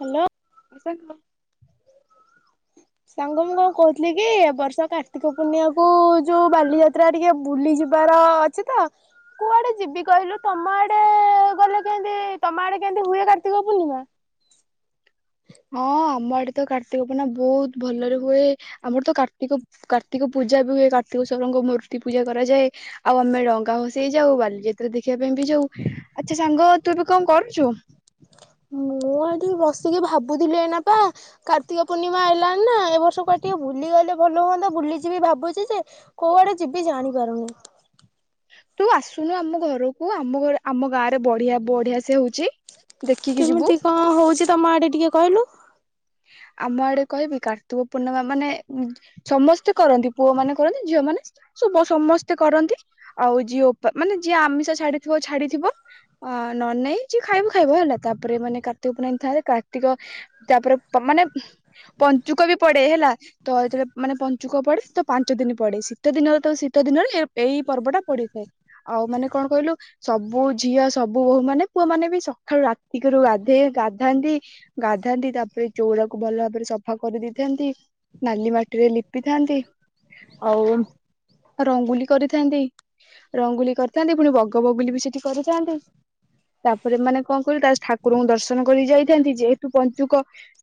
Hello [inaudible] ସାଙ୍ଗ ମୁଁ କଣ କହୁଥିଲି କି ଏ ବର୍ଷ କାର୍ତ୍ତିକ ପୂର୍ଣ୍ଣିମାକୁୁ ଯୋଉ ବାଲିଯାତ୍ରା ଟିକେ ବୁଲି ଯିବାର ଅଛି ତ କୁଆଡେ ଯିବି କହିଲୁ ତମ ଆଡେ ଗଲେ କେମିତି ତମ ଆଡେ କେମିତି ହୁଏ କାର୍ତ୍ତିକ ପୂର୍ଣ୍ଣିମା। ହଁ ଆମ ଆଡେ ତ କାର୍ତ୍ତିକ ପୂର୍ଣ୍ଣା ବହୁତ ଭଲରେ ହୁଏ ଆମର ତ କାର୍ତ୍ତିକ କାର୍ତ୍ତିକ ପୂଜା ବି ହୁଏ କାର୍ତ୍ତିକଶ୍ୱରଙ୍କ ମୂର୍ତ୍ତି ପୂଜା କରାଯାଏ ଆଉ ଆମେ ଡଙ୍ଗା ଭସେଇ ଯାଉ ବାଲିଯାତ୍ରା ଦେଖିବା ପାଇଁ ବି ଯାଉ। ଆଚ୍ଛା ସାଙ୍ଗ ତୁ ଏବେ କଣ କରୁଛୁ? ମୁଁ ଏଠି ବସିକି ଭାବୁଥିଲି ଏଇନା ପା କାର୍ତ୍ତିକ ପୂର୍ଣ୍ଣିମା ଆଇଲା ନା ଏ ବର୍ଷ କୁଆଡେ ଟିକେ ବୁଲିଗଲେ ଭଲ ହୁଅନ୍ତା ବୁଲିଯିବି ଭାବୁଛି ଯେ କୋଉଆଡେ ଯିବି ଜାଣି ପାରୁନି। ତୁ ଆସୁନୁ ଆମ ଘରକୁ ଆମ ଘର ଆମ ଗାଁରେ ବଢିଆ ବଢିଆ ସେ ହଉଛି। ଦେଖିକି ଯିବୁ। କେମିତି କଣ ହଉଛି? ତମ ଆଡେ ଟିକେ କହିଲୁ ଆମ ଆଡେ କହିବି କାର୍ତ୍ତିକ ପୂର୍ଣ୍ଣିମା ମାନେ ସମସ୍ତେ କରନ୍ତି ପୁଅ ମାନେ କରନ୍ତି ଝିଅ ମାନେ ସମସ୍ତେ କରନ୍ତି ଆଉ ଯିଏ ଉପା ମାନେ ଯିଏ ଆମିଷ ଛାଡିଥିବ ଛାଡିଥିବ ନ ହେଲେ ନାଇଁ ଯିଏ ଖାଇବ ଖାଇବ ହେଲା ତାପରେ ମାନେ କାର୍ତ୍ତିକ ପୂର୍ଣ୍ଣିମା ଥାଏ କାର୍ତ୍ତିକ ତାପରେ ତ ମାନେ ପଞ୍ଚୁକ ବି ପଡେ ହେଲା ତ ଯେତେବେଳେ ମାନେ ପଞ୍ଚୁକ ପଡେ ତ ପାଞ୍ଚ ଦିନ ପଡେ ଶୀତ ଦିନରେ ତ ଶୀତ ଦିନରେ ଏଇ ପର୍ବଟା ପଡିଥାଏ ଆଉ ମାନେ କଣ କହିଲୁ ସବୁ ଝିଅ ସବୁ ବୋହୂ ମାନେ ପୁଅ ମାନେ ବି ସକାଳୁ ରାତିକରୁ ଗାଧେଇ ଗାଧାନ୍ତି ଗାଧାନ୍ତି ତାପରେ ଚଉରାକୁ ଭଲ ଭାବରେ ସଫା କରିଦେଇଥାନ୍ତି ନାଲି ମାଟିରେ ଲିପିଥାନ୍ତି ଆଉ ରଙ୍ଗୁଲି କରିଥାନ୍ତି ରଙ୍ଗୁଲି କରିଥାନ୍ତି ପୁଣି ବଗ ବଗୁଲି ବି ସେଠି କରିଥାନ୍ତି ତାପରେ ମାନେ କଣ କହିଲୁ ତା ଠାକୁରଙ୍କୁ ଦର୍ଶନ କରି ଯାଇଥାନ୍ତି ଯେହେତୁ ପଞ୍ଚୁକ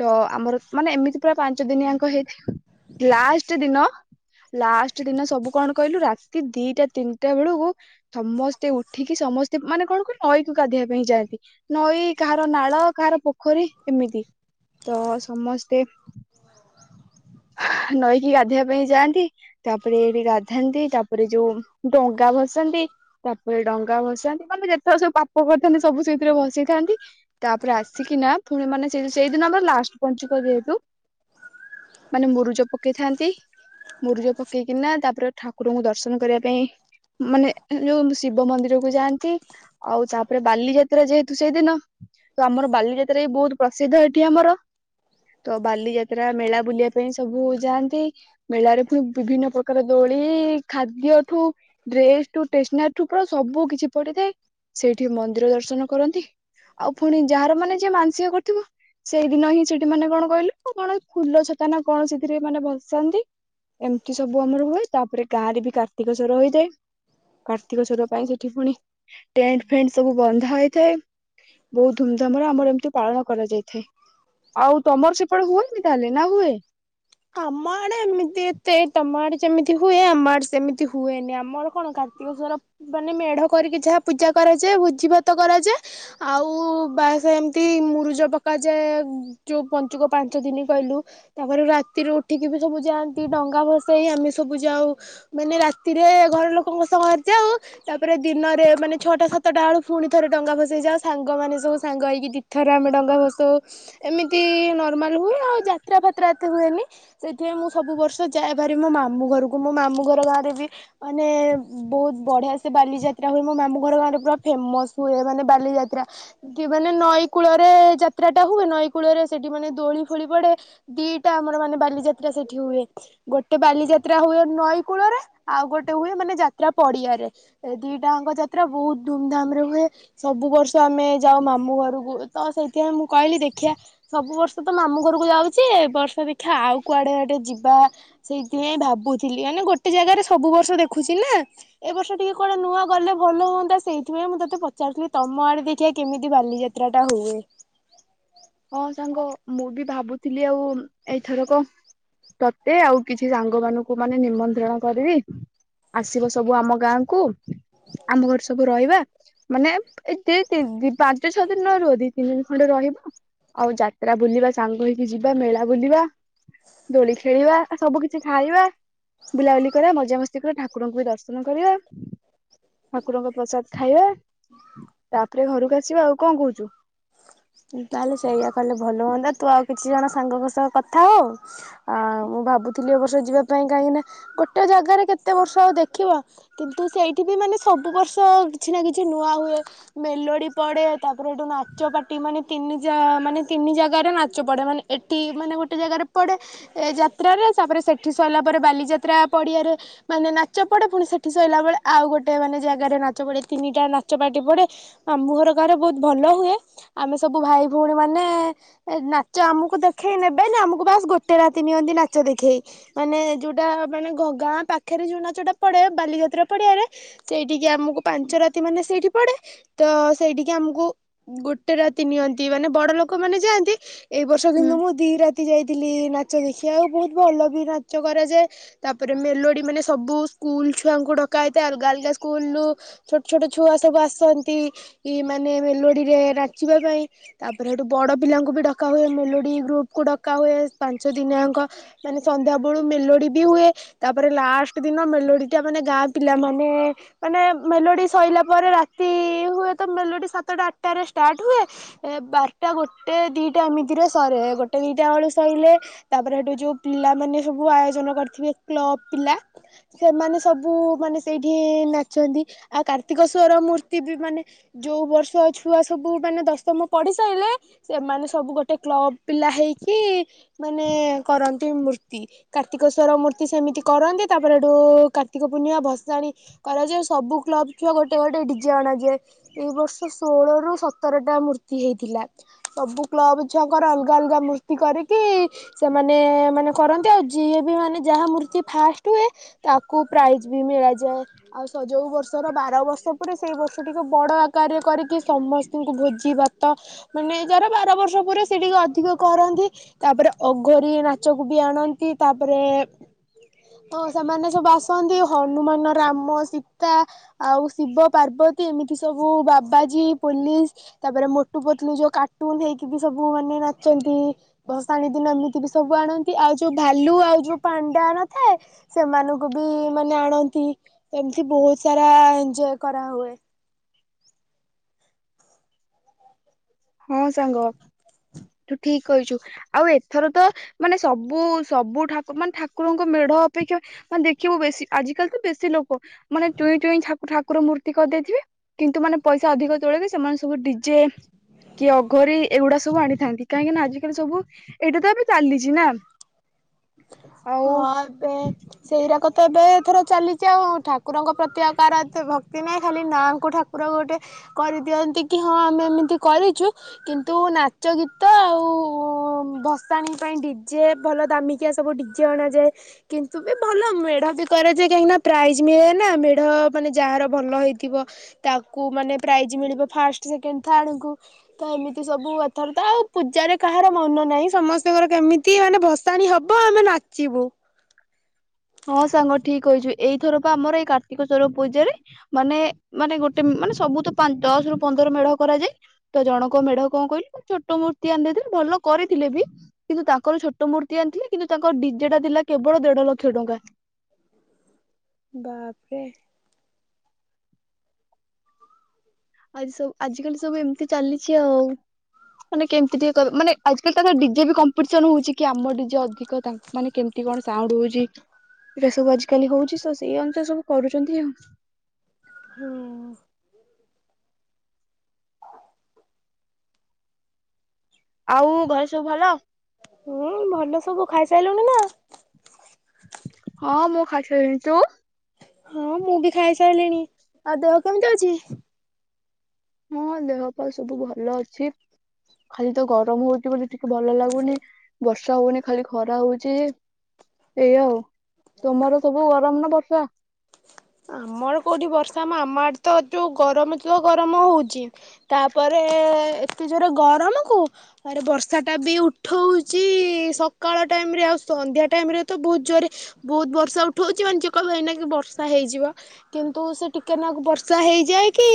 ତ ଆମର ମାନେ ଏମିତି ପୁରା ପାଞ୍ଚ ଦିନିଆଙ୍କ ହେଇଥାଏ ଲାଷ୍ଟ ଦିନ ଲାଷ୍ଟ ଦିନ ସବୁ କଣ କହିଲୁ ରାତି ଦିଟା ତିନିଟା ବେଳକୁ ସମସ୍ତେ ଉଠିକି ସମସ୍ତେ ମାନେ କଣ କହିଲ ନଈକୁ ଗାଧେଇଆ ପାଇଁ ଯାଆନ୍ତି ନଈ କାହାର ନାଳ କାହାର ପୋଖରୀ ଏମିତି। ତ ସମସ୍ତେ ନଈକି ଗାଧେଇବା ପାଇଁ ଯାଆନ୍ତି। ତାପରେ ଏଇଠି ଗାଧାନ୍ତି ତାପରେ ଯୋଉ ଡଙ୍ଗା ଭସାନ୍ତି ତାପରେ ଡଙ୍ଗା ଭସାନ୍ତି ମାନେ ଯେତେବେଳେ ସବୁ ପାପ କରିଥାନ୍ତି ସବୁ ସେଇଥିରେ ଭସେଇଥାନ୍ତି। ତାପରେ ଆସିକିନା ପୁଣି ମାନେ ସେଇ ସେଇଦିନ ଆମର ଲାଷ୍ଟ ପଞ୍ଚୁକ ଯେହେତୁ ମାନେ ମୁରୁଜ ପକେଇଥାନ୍ତି। ମୁରୁଜ ପକେଇକିନା ତାପରେ ଠାକୁରଙ୍କୁ ଦର୍ଶନ କରିବା ପାଇଁ ମାନେ ଯୋଉ ଶିବ ମନ୍ଦିରକୁୁ ଯାଆନ୍ତି। ଆଉ ତାପରେ ବାଲିଯାତ୍ରା ଯେହେତୁ ସେଇଦିନ ତ ଆମର ବାଲିଯାତ୍ରା ବି ବହୁତ ପ୍ରସିଦ୍ଧ ଏଠି ଆମର ତ ବାଲିଯାତ୍ରା ମେଳା ବୁଲିବା ପାଇଁ ସବୁ ଯାଆନ୍ତି। ମେଳାରେ ପୁଣି ବିଭିନ୍ନ ପ୍ରକାର ଦୋଳି ଖାଦ୍ୟଠୁ ଡ୍ରେସଠୁ ଟେସନାରିଠୁ ପୁରା ସବୁ କିଛି ପଡିଥାଏ। ସେଇଠି ମନ୍ଦିର ଦର୍ଶନ କରନ୍ତି। ଆଉ ପୁଣି ଯାହାର ମାନେ ଯିଏ ମାନସିକ କରୁଥିବ ସେଇଦିନ ହିଁ ସେଠି ମାନେ କଣ କହିଲୁ କଣ ଫୁଲଛ ତା ନା କୌଣସିଥିରେ ମାନେ ବସାନ୍ତି। ଏମିତି ସବୁ ଆମର ହୁଏ ତାପରେ ଗାଁ ରେ ବି କାର୍ତ୍ତିକ ସ୍ୱର ହେଇଥାଏ। କାର୍ତ୍ତିକ ସ୍ୱର ପାଇଁ ସେଠି ପୁଣି ଟେଣ୍ଟ ଫେଣ୍ଟ ସବୁ ବନ୍ଧା ହେଇଥାଏ। ବହୁତ ଧୁମଧାମରେ ଆମର ଏମିତି ପାଳନ କରାଯାଇଥାଏ। ଆଉ ତମର ସେପଟେ ହୁଏନି ତାହେଲେ ନା ହୁଏ। ଆମ ଆଡ଼େ ଏମିତି ଏତେ ତମ ଆଡ଼େ ଯେମିତି ହୁଏ ଆମ ଆଡେ ସେମିତି ହୁଏନି। ଆମର କଣ କାର୍ତ୍ତିକସର ମାନେ ମେଢ କରିକି ଯାହା ପୂଜା କରାଯାଏ ଭୋଜି ଭାତ କରାଯାଏ। ଆଉ ବାସ୍ ଏମତି ମୁରୁଜ ପକାଯାଏ ଯୋଉ ପଞ୍ଚୁକ ପାଞ୍ଚ ଦିନ କହିଲୁ ତାପରେ ରାତିରୁ ଉଠିକି ବି ସବୁ ଯାଆନ୍ତି। ଡଙ୍ଗା ଭସେଇ ଆମେ ସବୁ ଯାଉ ମାନେ ରାତିରେ ଘର ଲୋକଙ୍କ ସହରେ ଯାଉ ତାପରେ ଦିନରେ ମାନେ ଛଅଟା ସାତଟା ବେଳୁ ପୁଣି ଥରେ ଡଙ୍ଗା ଭସେଇ ଯାଉ ସାଙ୍ଗମାନେ ସବୁ ସାଙ୍ଗ ହେଇକି ଦୁଇ ଥରରେ ଆମେ ଡଙ୍ଗା ଭସଉ। ଏମିତି ନର୍ମାଲ ହୁଏ ଆଉ ଯାତ୍ରା ଫାତ୍ରା ଏତେ ହୁଏନି। ସେଥିପାଇଁ ମୁଁ ସବୁ ବର୍ଷ ଯାଏ ଭାରି ମୋ ମାମୁଁ ଘରକୁ ମୋ ମାମୁଁ ଘର ଗାଁ ରେ ବି ମାନେ ବହୁତ ବଢିଆ ସେ ବାଲିଯାତ୍ରା ହୁଏ। ମୋ ମାମୁଁ ଘର ଗାଁ ରେ ପୁରା ଫେମସ ହୁଏ ମାନେ ବାଲିଯାତ୍ରା ଏମିତି ମାନେ ନଈ କୂଳରେ ଯାତ୍ରାଟା ହୁଏ ନଈ କୂଳରେ ସେଠି ମାନେ ଦୋଳି ଫୋଳି ପଡେ ଦିଟା ଆମର ମାନେ ବାଲିଯାତ୍ରା ସେଠି ହୁଏ ଗୋଟେ ବାଲିଯାତ୍ରା ହୁଏ ନଈ କୂଳରେ ଆଉ ଗୋଟେ ହୁଏ ମାନେ ଯାତ୍ରା ପଡିଆରେ। ଏ ଦିଟାଙ୍କ ଯାତ୍ରା ବହୁତ ଧୁମଧାମ ରେ ହୁଏ ସବୁ ବର୍ଷ ଆମେ ଯାଉ ମାମୁଁ ଘରକୁ ତ ସେଇଥିପାଇଁ ମୁଁ କହିଲି ଦେଖିଆ ସବୁ ବର୍ଷ ତ ମାମୁଁ ଘରକୁ ଯାଉଛି ଏ ବର୍ଷ ଦେ ଆଉ କୁଆଡେ ଗୋଟେ ଯିବା ସେଇଥିପାଇଁ ଭାବୁଥିଲି ମାନେ ଗୋଟେ ଜାଗାରେ ସବୁ ବର୍ଷ ଦେଖୁଛି ନା ଏ ବର୍ଷ ଟିକେ କୁଆଡେ ନୂଆ ଗଲେ ଭଲ ହୁଅନ୍ତା। ସେଇଥିପାଇଁ ମୁଁ ତୋତେ ପଚାରୁଥିଲି ତମ ଆଡେ ଦେଖିିବା କେମିତି ବାଲିଯାତ୍ରାଟା ହୁଏ। ହଁ ସାଙ୍ଗ ମୁଁ ବି ଭାବୁଥିଲି ଆଉ ଏଇ ଥରକ ତତେ ଆଉ କିଛି ସାଙ୍ଗ ମାନଙ୍କୁ ମାନେ ନିମନ୍ତ୍ରଣ କରିବି ଆସିବ ସବୁ ଆମ ଗାଁକୁ ଆମ ଘରେ ସବୁ ରହିବା। ମାନେ ଏ ଦି ଦି ପାଞ୍ଚ ଛଅ ଦିନ ନ ରୁହ ଦି ତିନି ଦିନ ଖଣ୍ଡେ ରହିବ। ଆଉ ଯାତ୍ରା ବୁଲିବା ସାଙ୍ଗ ହେଇକି ଯିବା ମେଳା ବୁଲିବା ଦୋଳି ଖେଳିବା ସବୁ କିଛି ଖାଇବା ବୁଲାବୁଲି କରିବା ମଜା ମସ୍ତି କରିବା ଠାକୁରଙ୍କୁ ବି ଦର୍ଶନ କରିବା। ଠାକୁରଙ୍କ ପ୍ରସାଦ ଖାଇବା ତାପରେ ଘରକୁ ଆସିବା ଆଉ କଣ କହୁଛୁ ତାହେଲେ ସେଇଆ କଲେ ଭଲ ହୁଅନ୍ତା। ତୁ ଆଉ କିଛି ଜଣ ସାଙ୍ଗଙ୍କ ସହ କଥା ହ ମୁଁ ଭାବୁଥିଲି ଏ ବର୍ଷ ଯିବା ପାଇଁ କାହିଁକି ନା ଗୋଟେ ଜାଗାରେ କେତେ ବର୍ଷ ଆଉ ଦେଖିବା। କିନ୍ତୁ ସେଇଠି ବି ମାନେ ସବୁ ବର୍ଷ କିଛି ନା କିଛି ନୂଆ ହୁଏ ମେଲୋଡି ପଡେ ତାପରେ ଏଇଠୁ ନାଚପା ଟି ମାନେ ତିନି ଜା ମାନେ ତିନି ଜାଗାରେ ନାଚ ପଡେ ମାନେ ଏଠି ମାନେ ଗୋଟେ ଜାଗାରେ ପଡେ ଯାତ୍ରାରେ ତାପରେ ସେଠି ସଇଲା ପରେ ବାଲିଯାତ୍ରା ପଡିଆରେ ମାନେ ନାଚ ପଡେ ପୁଣି ସେଠି ସଇଲା ବେଳେ ଆଉ ଗୋଟେ ମାନେ ଜାଗାରେ ନାଚ ପଡେ ତିନିଟା ନାଚପାଟି ପଡେ ମାମୁଁ ଘର ଗାଁରେ ବହୁତ ଭଲ ହୁଏ। ଆମେ ସବୁ ଭାଇ ଭଉଣୀ ମାନେ ନାଚ ଆମକୁ ଦେଖେଇ ନେବେ ନା ଆମକୁ ବାସ୍ ଗୋଟେ ରାତି ନିଅନ୍ତି ନାଚ ଦେଖେଇ ମାନେ ଯୋଉଟା ମାନେ ଗାଁ ପାଖରେ ଯୋଉ ନାଚଟା ପଡେ ବାଲିଯାତ୍ରା ପଡିଆରେ ସେଇଠିକି ଆମକୁ ପାଞ୍ଚ ରାତି ମାନେ ସେଇଠି ପଡେ ତ ସେଇଠିକି ଆମକୁ ଗୋ ଗୋଟେ ରାତି ନିଅନ୍ତି ମାନେ ବଡ ଲୋକମାନେ ଯାଆନ୍ତି। ଏଇ ବର୍ଷ ହୁଁ କିନ୍ତୁ ମୁଁ ଦି ରାତି ଯାଇଥିଲି ନା ନାଚ ଦେଖିବାକୁ ବହୁତ ଭଲ ବି ନାଚ କରାଯାଏ ତାପରେ ମେଲୋଡ଼ି ମାନେ ସବୁ ସ୍କୁଲ ଛୁଆଙ୍କୁ ଡକା ହେଇଥାଏ ଅଲଗା ଅଲଗା ସ୍କୁଲରୁ ଛୋଟ ଛୋଟ ଛୁଆ ସବୁ ଆସନ୍ତି ମାନେ ମେଲୋଡ଼ିରେ ନା। ନାଚିବା ପାଇଁ ତାପରେ ସେଠୁ ବଡ ପିଲାଙ୍କୁ ବି ଡକା ହଏ ମେଲୋଡି ଗ୍ରୁପକୁ ଡକା ହୁଏ ପାଞ୍ଚ ଦିନିଆଙ୍କ ମାନେ ସନ୍ଧ୍ୟା ବେଳୁ ମେଲୋଡି ବି ହୁଏ ତାପରେ ଲାଷ୍ଟ ଦିନ ମେଲୋଡି ଟା ମାନେ ଗାଁ ପିଲାମାନେ ମାନେ ମେଲୋଡି ସରିଲା ପରେ ରାତି ହୁଏ ତ ମେଲୋଡି ସାତଟା ଆଠଟାରେ। ଷ୍ଟାର୍ଟ ହୁଏ ବାରଟା ଗୋଟେ ଦିଟା ଏମିତିରେ ସରେ ଗୋଟେ ଦିଟା ବେଳୁ ସରିଲେ ତାପରେ ସେଠୁ ଯୋଉ ପିଲାମାନେ ସବୁ ଆୟୋଜନ କରିଥିବେ କ୍ଲବ ପିଲା ସେମାନେ ସବୁ ମାନେ ସେଇଠି ନାଚନ୍ତି ଆଉ କାର୍ତ୍ତିକସ୍ୱର ମୂର୍ତ୍ତି ବି ମାନେ ଯୋଉ ବର୍ଷ ଛୁଆ। ସବୁ ମାନେ ଦଶମ ପଢ଼ି ସାରିଲେ ସେମାନେ ସବୁ ଗୋଟେ କ୍ଲବ୍। ପିଲା ହେଇକି ମାନେ କରନ୍ତି। ଗୋଟିଏ ମୂର୍ତ୍ତି କାର୍ତ୍ତିକେଶ୍ଵର ମୂର୍ତ୍ତି ସେମିତି କରନ୍ତି ତାପରେ ଏଠୁ କାର୍ତ୍ତିକ ପୂର୍ଣ୍ଣିମା ଭସାଣି କରାଯାଏ ସବୁ କ୍ଲବ ଛୁଆ ଗୋଟେ ଗୋଟେ ଡିଜେ ଅଣାଯାଏ ଏଇ ବର୍ଷ ଷୋହଳ ରୁ ସତରଟା ମୂର୍ତ୍ତି ହେଇଥିଲା ସବୁ କ୍ଲବ ଛୁଆଙ୍କର ଅଲଗା ଅଲଗା ମୂର୍ତ୍ତି କରିକି ସେମାନେ ମାନେ କରନ୍ତି ଆଉ ଯିଏ ବି ମାନେ ଯାହା ମୂର୍ତ୍ତି ଫାଷ୍ଟ ହୁଏ ତାକୁ ପ୍ରାଇଜ ବି ମିଳାଯାଏ ଆଉ ସ ଯୋଉ ବର୍ଷର ବାର ବର୍ଷ ପରେ ସେଇ ବର୍ଷ ଟକୁେ ବଡ଼ ଆକାରରେ କରିକି ସମସ୍ତ। ଭୋଜି ଭାତ ମାନେ ଯାର ବାର ବର୍ଷ ପରେ ସେ ଟିକେ ଅଧିକ କରନ୍ତି ତାପରେ ଅଘୋରୀ ନାଚକୁ ବି ଆଣନ୍ତି। କି ତାପରେ ହଁ ସେମାନେ ସବୁ ଆସନ୍ତି ଆଉ। ହନୁମାନ ରାମ ସି ତା ଆଉ ଶିବ ପାର୍ବତୀ ଏମିତି। ସବୁ ବାବାଜୀ ପୋଲିସ ତାପରେ ମୋଟୁ ପତଲୁ ଯୋଉ କାର୍ଟୁନ ହେଇକି ବି ସବୁ ମାନେ ନାଚନ୍ତି ଭସାଣି ଦିନ ଏମିତି ବି ସବୁ ଆଣନ୍ତି ଆଉ ଯୋଉ ଭାଲୁ ଆଉ ଯୋଉ ପାଣ୍ଡା ନଥାଏ ସେମାନଙ୍କୁ ବି ମାନେ ଆଣନ୍ତି ଏମିତି ବହୁତ ସାରା ଏଞଜୟ କରାହୁୁଏ। ହଁ ସାଙ୍ଗ ତୁ ଠିକ କହିଛୁ ଆଉ ଏଥର ତ ମାନେ ସବୁ ସବୁଠାକୁ ମାନେ ଠାକୁରଙ୍କ ମେଢ ଅପେକ୍ଷା ମାନେ ଦେଖିବୁ ବେଶୀ ଆଜିକାଲି ତ ବେଶୀ ଲୋକ ମାନେ ଚୁଇଁ ଚୁଇଁ ଠାକୁର ମୂର୍ତ୍ତି କରିଦେଇଥିବେ କିନ୍ତୁ ମାନେ ପଇସା ଅଧିକ ତୋଳେକ ସେମାନେ ସବୁ ଡିଜେ କି ଅଘୋରୀ ଏଗୁଡା ସବୁ ଆଣିଥାନ୍ତି କାହିଁକି ନା ଆଜିିକାଲି ସବୁ ଏଇଟା ତ ଆମ ଚାଲିଛି ନା। ଆଉ ହଁ ଏବେ ସେଇରା କ ତ ଏବେଥର ଚାଲିଛି ଆଉ ଠାକୁରଙ୍କ ପ୍ରତି ଆ କାହାର ଏତେ ଭକ୍ତି ନାହିଁ ଖାଲି ନାଙ୍କୁ ଠାକୁର ଗୋଟେ କରିଦିଅନ୍ତି କି ହଁ ଆମେ ଏମିତି କରିଛୁ କିନ୍ତୁ ନାଚ ଗୀତ ଆଉ ଭସାଣି ପାଇଁ ଡିଜେ ଭଲ ଦାମୀ କିଆ ସବୁ ଡିଜେ ଅଣାଯାଏ କିନ୍ତୁ ବି ଭଲ ମେଢ଼ ବି କରାଯାଏ କାହିଁକିନା ପ୍ରାଇଜ ମିଳେ ନା ମେଢ଼ ମାନେ ଯାହାର ଭଲ ହେଇଥିବ ତାକୁ ମାନେ ପ୍ରାଇଜ୍ ମିଳିବ ଫାଷ୍ଟ ସେକେଣ୍ଡ ଥାର୍ଡ଼କୁ ତ ଏମିତି ସବୁ କଥାର ତ ଆଉ ପୂଜାରେ କାହାର ମନ ନାହିଁ ସମସ୍ତଙ୍କର କେମିତି ମାନେ ଭସାଣି ହବ। ହଁ ଆମେ ନାଚିବୁ। ହଁ ସାଙ୍ଗ ଠିକ କହିଛୁ ଏଇଥରପା ଆମର ଏଇ କାର୍ତ୍ତିକ ସ୍ୱର ପୂଜାରେ ମାନେ ମାନେ ଗୋଟେ ମାନେ ସବୁ ତ ଦଶ ରୁ ପନ୍ଦର ମେଢ କରାଯାଏ ତ ଜଣଙ୍କ ମେଢ କଣ କହିଲୁ ଛୋଟ ମୂର୍ତ୍ତି ଆଣିଦେଇଥିଲେ ଭଲ କରିଥିଲେ ବି କିନ୍ତୁ ତାଙ୍କର ଛୋଟ ମୂର୍ତ୍ତି ଆଣିଥିଲେ କିନ୍ତୁ ତାଙ୍କର ଡିଜେଟା ଥିଲା କେବଳ ଦେଢ ଲକ୍ଷ। ଲକ୍ଷ ଟଙ୍କା। ବାପରେ। ଆଜି ସବୁ ଆଜିକାଲି ସବୁ ଏମିତି ଚାଲିଛି ଆଉ ମାନେ କେମିତି ଟିକେ ମାନେ ଆଜି କାଲି ତାଙ୍କ ଡିଜେ ବି କମ୍ପିଟିସନ ହଉଛି କି ଆମ ଡିଜେ ଅଧିକ ମାନେ କେମତି କଣ ସାଉଣ୍ଡ ହଉଛି ଏଇା ସବୁ ଆଜିିକାଲି ହଉଛି ତ ସେଇ ଅନୁସାରେ ସବୁ କରୁଛନ୍ତି ଆଉ। ହଁ ଆଉ ଘରେ ସବୁ ଭଲ? ହୁଁ ଭଲ ସବୁ ଖାଇ ଖାଇ ସାରିଲୁଣି ନା? ହଁ ମୁଁ ଖାଇସାରିଲିଣି ତୁ? ହଁ ମୁଁ ବି ଖାଇସାରିଲିଣି ଆଉ ଦେହ କେମିତି ଅଛି? ହଁ ଦେହ ପା ସବୁ ଭଲ ଅଛି, ଖାଲି ତ ଗରମ ହଉଛି, ବୋଲି ଟିକେ ଭଲ ଲାଗୁନି ବର୍ଷା ହଉନି ଖାଲି ଖରା ହଉଚି, ସେୟା ଆଉ ତମର ସବୁ ଗରମ ନା ବର୍ଷା। ଆମର କୋଉଠି ବର୍ଷା ଆମ ଆଡେ ତ ଯୋଉ ଗରମ ତ ଗରମ ହଉଛି ତାପରେ ଏତେ ଜୋରେ ଗରମ କୁ ଆରେ ବର୍ଷା ଟା ବି ଉଠଉଛି ସକାଳ ଟାଇମ ରେ ଆଉ ସନ୍ଧ୍ୟା ଟାଇମ ରେ ତ ବହୁତ ଜୋରେ ବହୁତ ବର୍ଷା ଉଠଉଛି ମାନେ ଯେ କହିବକି ହେଇନା କି ବର୍ଷା ହେଇଯିବ। କିନ୍ତୁ ସେ ଟିକେନାକୁ ବର୍ଷା ହେଇଯାଇକି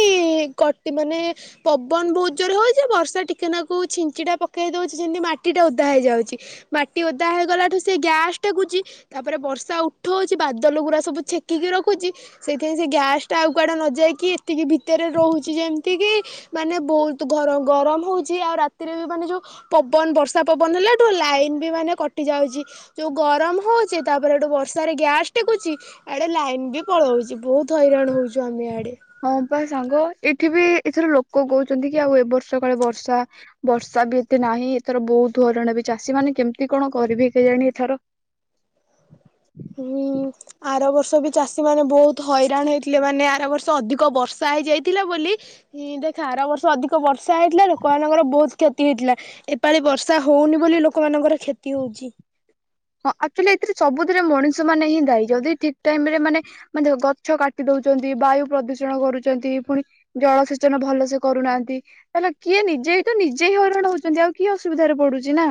କଟି ମାନେ ପବନ ବହୁତ୍ ଜୋରେ ହଉଛି ବର୍ଷା ଟିକେନାକୁ ଛିଞ୍ଚିଡ଼ା ପକେଇ ଦଉଛି ଯେମିତି ମାଟି ଟା ଓଦା ହେଇଯାଉଛି ମାଟି ଓଦା ହେଇଗଲା ଠୁ ସେ ଗ୍ୟାସ ଟେକୁଛି ତାପରେ ବର୍ଷା ଉଠଉଛି ବାଦଲ ଗୁୁରା ସବୁ ଛେକିକି ରଖୁଛି। ସେଇଥିପାଇଁ ସେ ଗ୍ୟାସ୍ ଟା ଆଉ କୁଆଡ଼େ ନଯାଇକି ଏତିକି ଭିତରେ ରହୁଛି ଯେମିତିକି ମାନେ ବହୁତ ଗରମ ହେଉଛି ଆଉ ରାତିରେ ବି ମାନେ ଯେଉଁ ପବନ ବର୍ଷା ପବନ ହେଲାଠୁ ଲାଇନ୍ ବି ମାନେ କଟିଯାଉଛି ଯେଉଁ ଗରମ ହେଉଛି ତାପରେଠୁ ବର୍ଷାରେ ଗ୍ୟାସ୍ ଟେକୁଛି ଆଡ଼େ ଲାଇନ୍ ବି ପଳାଉଛି। ବହୁତ ହଇରାଣ ହଉଛୁ ଆମେ ଆଡେ। ହଁ ବା ସାଙ୍ଗ ଏ ଏଠିବି ଏଥର ଲୋକ କହୁଛନ୍ତି କି ଆଉ ଏ ବର୍ଷ କାଳେ ବର୍ଷା ବର୍ଷା ବି ଏତେ ନାହିଁ ଏଥର ବହୁତ ହଇରାଣ ହେବେ ଚାଷୀ ମାନେ କେମିତି କଣ କରିବେ କେଜାଣି ଏଥର। ହୁଁ ଆର ବର୍ଷ ବି ଚାଷୀ ମାନେ ବହୁତ ହଇରାଣ ହେଇଥିଲେ ମାନେ ଆର ବର୍ଷ ଅଧିକ ବର୍ଷା ହେଇଯାଇଥିଲା ବୋଲି ଦେଖ ଆର ବର୍ଷ ଅଧିକ ବର୍ଷା ସା ହେଇଥିଲା ଲୋକମାନଙ୍କର ବହୁତ କ୍ଷତି ହେଇଥିଲା ଏପାଳି ବର୍ଷା ହଉନି ବୋଲି ଲୋକମାନଙ୍କର କ୍ଷତି ହଉଛି। ହଁ ଆକ୍ଚୁଆଲି ଏଥିରେ ସବୁଥିରେ ମଣିଷ ମାନେ ହିଁ ଦାୟୀ ଯଦି ଠିକ ଟାଇମ ରେ ମାନେ ମାନେ ଗଛ କାଟି ଦଉଛନ୍ତି ବାୟୁ ପ୍ରଦୂଷଣ କରୁଛନ୍ତି ପୁଣି ଜଳ ସେେଚନ ଭଲସେ କରୁନାହାନ୍ତି ତାହେଲେ କିଏ ନିଜେ ତ ନିଜେ ହିଁ ହଇରାଣ ହଉଛନ୍ତି ଆଉ କିଏ ଅସୁବିଧାରେ ପଡୁଛି ନା।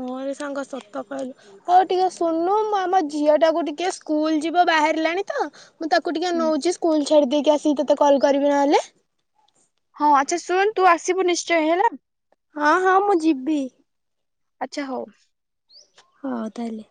ହଁରେ ସାଙ୍ଗ ସତ କହିଲୁ। ହଉ ଟିକେ ଶୁନୁ ଆମ ଝିଅ ଟାକୁ ଟିକେ ସ୍କୁଲ ଯିବ ବାହାରିଲାଣି ତ ମୁଁ ତାକୁ ଟିକେ ନଉଛି ସ୍କୁଲ ଛାଡି ଦେଇକି ଆସିକି ତ ତତେ କଲ କରିବି ନହେଲେ। ହଁ ଆଚ୍ଛା ଶୁଣୁ ତୁ ଆସିବୁ ନିଶ୍ଚୟ ହେଲା। ହଁ ହଁ ମୁଁ ଯିବି। ଆଚ୍ଛା ହଉ। ହଁ ତାହଲେ।